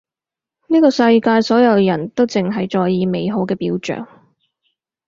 呢個世界所有人都淨係在意美好嘅表象